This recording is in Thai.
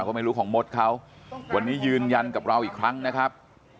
ก็ไม่รู้ของมดเขาวันนี้ยืนยันกับเราอีกครั้งนะครับ